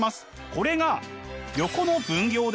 これが「横の分業」です。